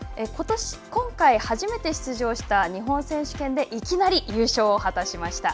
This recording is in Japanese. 今回、初めて出場した日本選手権で、いきなり優勝を果たしました。